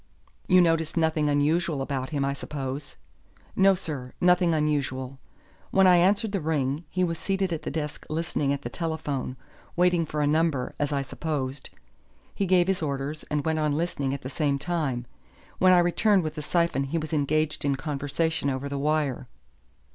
"You noticed nothing unusual about him, I suppose." "No, sir, nothing unusual. When I answered the ring, he was seated at the desk listening at the telephone, waiting for a number, as I supposed. He gave his orders and went on listening at the same time. When I returned with the syphon he was engaged in conversation over the wire."